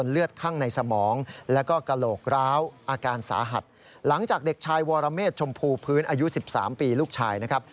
เวลา๒๓ปีลูกชายนะครับ